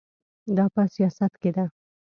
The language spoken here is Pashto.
دا په سیاست کې ده.